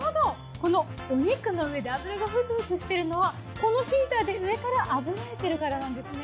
このお肉の上で油がフツフツしてるのはこのヒーターで上から炙られてるからなんですね。